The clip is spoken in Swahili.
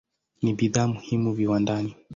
Ni bidhaa muhimu viwandani.